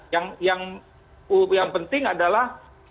yang penting adalah